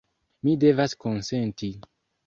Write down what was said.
Mi devas konsenti.